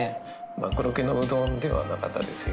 真っ黒けのうどんではなかったですよ。